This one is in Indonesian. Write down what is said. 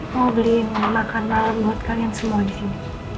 mau beliin makan malam buat kalian semua disini